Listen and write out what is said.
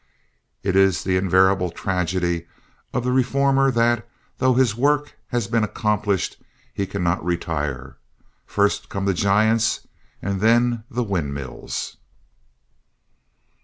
It is the invariable tragedy of the reformer that, though his work has been accomplished, he cannot retire. First come the giants and then the windmills.